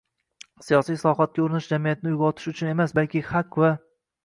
siyosiy islohotga urinish jamiyatni uyg‘otish uchun emas, balki haq va